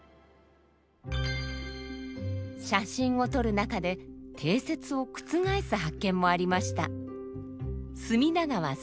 写真を撮る中で定説を覆す発見もありました。